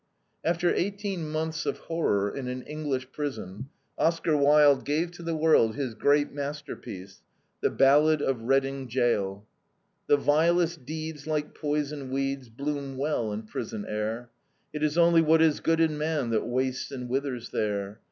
After eighteen months of horror in an English prison, Oscar Wilde gave to the world his great masterpiece, THE BALLAD OF READING GOAL: The vilest deeds, like poison weeds, Bloom well in prison air; It is only what is good in Man That wastes and withers there.